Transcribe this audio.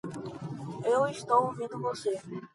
Eu estou ouvindo você!